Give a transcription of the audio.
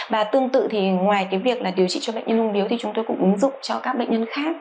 và tương tự thì ngoài việc điều trị cho bệnh nhân ung điếu thì chúng tôi cũng ứng dụng cho các bệnh nhân khác